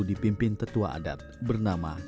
di jawa tengah